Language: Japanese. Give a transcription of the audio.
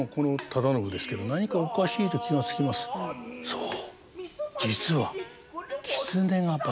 そう。